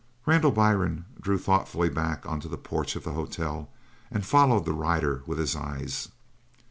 Randall Byrne drew thoughtfully back onto the porch of the hotel and followed the rider with his eyes.